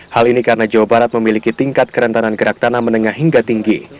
hal ini karena jawa barat memiliki tingkat kerentanan gerak tanah menengah hingga tinggi